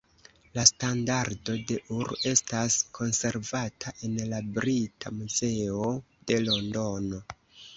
La Standardo de Ur estas konservata en la Brita Muzeo de Londono.